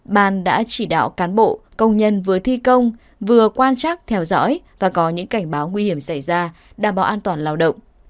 ban đã chỉ đạo cán bộ công nhân vừa thi công vừa quan chắc theo dõi và có những cảnh báo nguy hiểm xảy ra đảm bảo an toàn lao động